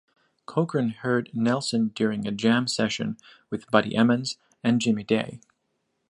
Cochran heard Nelson during a jam session with Buddy Emmons and Jimmy Day.